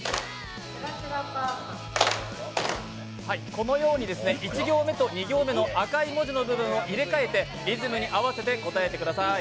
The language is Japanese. このように１行目と２行目の赤い文字の部分を入れ替えてリズムに合わせて答えてください。